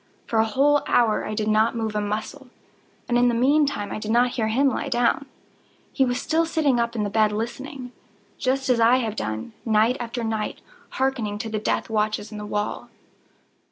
For a whole hour I did not move a muscle, and in the meantime I did not hear him lie down. He was still sitting up in the bed listening;—just as I have done, night after night, hearkening to the death watches in the wall.